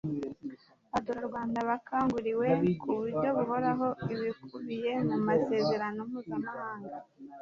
abaturarwanda bakanguriwe ku buryo buhoraho ibikubiye mu masezerano mpuzamahanga